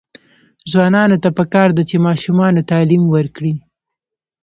ځوانانو ته پکار ده چې، ماشومانو تعلیم ورکړي.